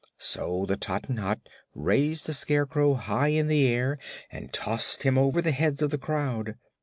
So the Tottenhot raised the Scarecrow high in the air and tossed him over the heads of the crowd.